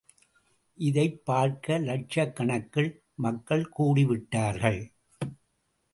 இதைப் பார்க்க லட்சக்கணக்கில் மக்கள் கூடிவிட்டார்கள்.